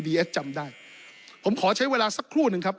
เอสจำได้ผมขอใช้เวลาสักครู่หนึ่งครับ